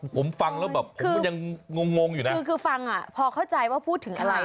ผมฟังแล้วแบบผมยังงงงอยู่นะคือคือฟังอ่ะพอเข้าใจว่าพูดถึงอะไร